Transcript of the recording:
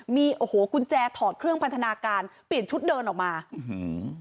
มีโอ้โหกุญแจถอดเครื่องพันธนาการเปลี่ยนชุดเดินออกมาอื้อหือ